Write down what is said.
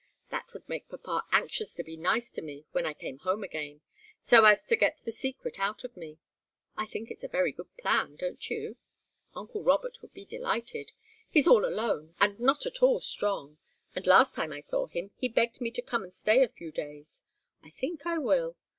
That would make papa anxious to be nice to me when I came home again, so as to get the secret out of me. I think it's a very good plan; don't you? Uncle Robert would be delighted. He's all alone and not at all strong. The very last time I saw him, he begged me to come and stay a few days. I think I will.